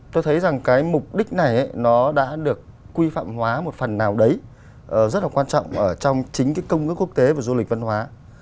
tôi thấy rằng cái mục đích này nó đã được quy phạm hóa một phần nào đấy rất là quan trọng trong chính cái công ước quốc tế về du lịch văn hóa